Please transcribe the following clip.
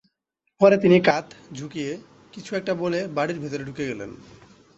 পরে তিনি কাঁধ ঝাঁকিয়ে কিছু একটা বলে বাড়ির ভেতর ঢুকে গেলেন।